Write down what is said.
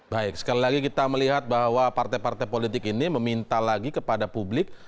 baik sekali lagi kita melihat bahwa partai partai politik ini meminta lagi kepada publik